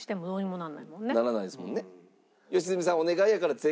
ならないですもんね。